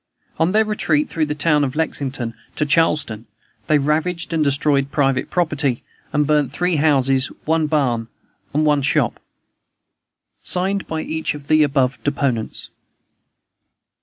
On their retreat through the town of Lexington to Charlestown, they ravaged and destroyed private property, and burnt three houses, one barn, and one shop. "Signed by each of the above deponents."